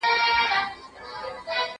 زه به سبا د کتابتوننۍ سره خبري کوم!؟